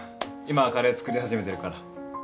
今カレー作り始めてるから。